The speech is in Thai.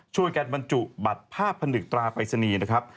ช่วยกันบรรจุบัตรภาพพนึกตราปริศนีย์นะครับ